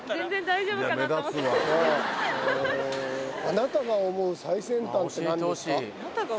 あなたが思う最先端？